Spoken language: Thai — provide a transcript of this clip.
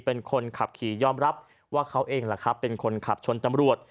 เป็นคนขับขี่ยอมรับว่าเขาเองแหละครับเป็นคนขับชนตำรวจ